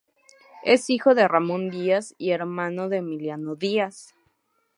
Es hijo de Ramón Díaz y hermano de Emiliano Díaz.